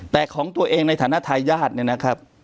แต่ของตัวเองในฐานะทายาทเนี่ยนะครับ